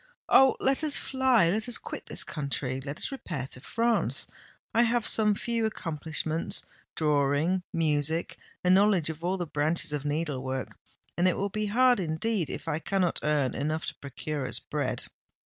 "Oh! let us fly—let us quit this country—let us repair to France! I have some few accomplishments—drawing—music—a knowledge of all the branches of needlework; and it will be hard indeed if I cannot earn enough to procure us bread."